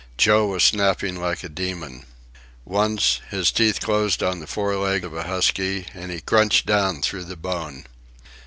Joe was snapping like a demon. Once, his teeth closed on the fore leg of a husky, and he crunched down through the bone.